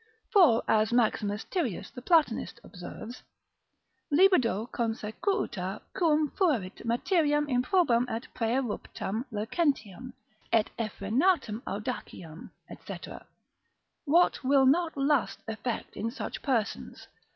For, as Maximus Tyrius the Platonist observes, libido consequuta quum fuerit materiam improbam et praeruptam licentiam, et effrenatam audaciam, &c., what will not lust effect in such persons?